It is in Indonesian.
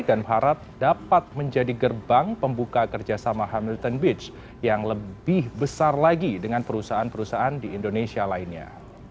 dan harap dapat menjadi gerbang pembuka kerjasama hamilton beach yang lebih besar lagi dengan perusahaan perusahaan di indonesia lainnya